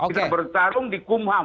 kita bertarung di kumham